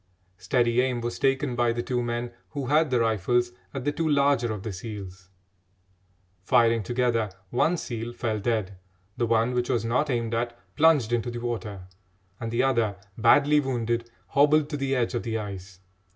Steady aim was taken by the two men who had the rifles at the two larger of the seals. Firing together, one seal fell dead; the one which was not aimed at plunged into the water, and the other, badly wounded, hobbled to the edge of the ice.